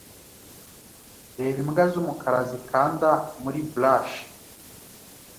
Reba imbwa z'umukara zikanda muri brush